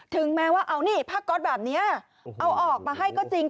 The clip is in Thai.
ถึงแม้ว่าเอานี่ผ้าก๊อตแบบนี้เอาออกมาให้ก็จริง